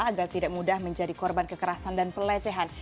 agar tidak mudah menjadi korban kekerasan dan pelecehan